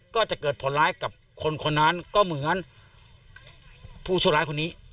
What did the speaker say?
ก็จะเกิดผลร้ายกับคนคนนั้นก็เหมือนผู้ชั่วร้ายคนนี้